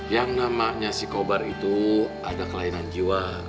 yang namanya si kobar itu ada kelainan jiwa